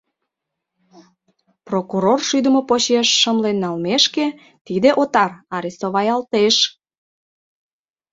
Прокурор шӱдымӧ почеш шымлен налмешке, тиде отар арестоваялтеш.